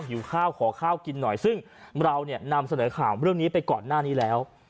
หิวข้าวขอข้าวกินหน่อยซึ่งเราเนี่ยนำเสนอข่าวเรื่องนี้ไปก่อนหน้านี้แล้ว